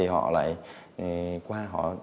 họ lại qua